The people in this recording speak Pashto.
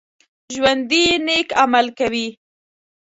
ژوندي نیک عمل کوي